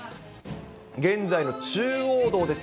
現在の中央道です。